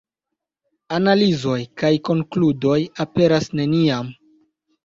Analizoj kaj konkludoj aperas neniam.